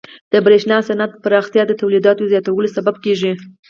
د برېښنا صنعت پراختیا د تولیداتو زیاتوالي سبب کیږي.